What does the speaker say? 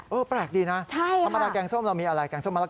แปลกดีนะธรรมดาแกงส้มเรามีอะไรแกงส้มมะละก